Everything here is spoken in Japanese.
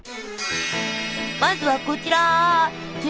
まずはこちら。